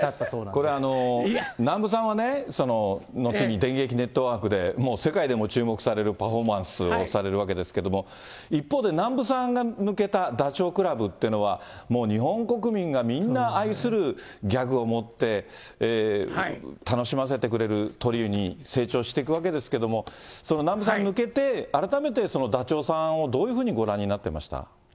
これ、南部さんはね、後に電撃ネットワークでもう世界でも注目されるパフォーマンスをされるわけですけれども、一方で、南部さんが抜けたダチョウ倶楽部っていうのは、もう日本国民がみんな愛するギャグを持って、楽しませてくれるトリオに成長していくわけですけれども、南部さんに抜けて、改めてダチョウさんをどういうふうにご覧になってました？